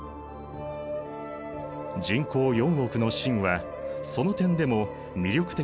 人口４億の清はその点でも魅力的だったのだ。